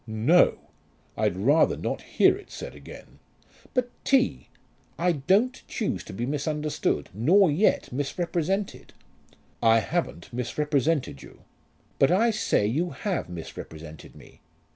"No; I'd rather not hear it said again." "But, T., I don't choose to be misunderstood, nor yet misrepresented." "I haven't misrepresented you." "But I say you have misrepresented me.